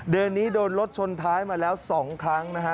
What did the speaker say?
เดือนนี้โดนรถชนท้ายมาแล้ว๒ครั้งนะฮะ